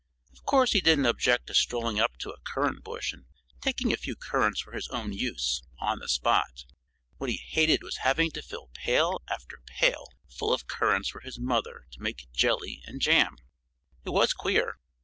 Of course he didn't object to strolling up to a currant bush and taking a few currants for his own use, on the spot. What he hated was having to fill pail after pail full of currants for his mother to make jelly and jam. It was queer.